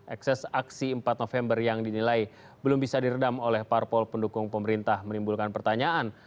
ekses aksi empat november yang dinilai belum bisa diredam oleh parpol pendukung pemerintah menimbulkan pertanyaan